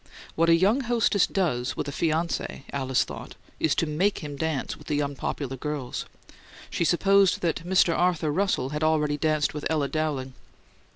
What a young hostess does with a fiance, Alice thought, is to make him dance with the unpopular girls. She supposed that Mr. Arthur Russell had already danced with Ella Dowling.